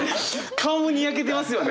顔もニヤけてますよね！